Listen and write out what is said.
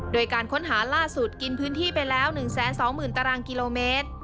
โดยการค้นหาล่าสุดกินพื้นที่ไปแล้ว๑๒๐๐๐ตารางกิโลเมตร